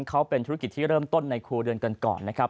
เขาเป็นธุรกิจที่เริ่มต้นในครูเดือนกันก่อนนะครับ